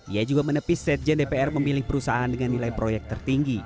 ia juga menepis setjen dpr memilih perusahaan dengan nilai proyek tertinggi